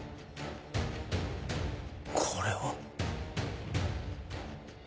これは。